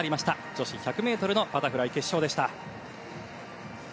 女子１００ｍのバタフライ決勝でした。